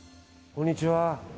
こんにちは。